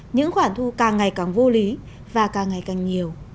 những khoản thu càng ngày càng vô lý và càng ngày càng nhiều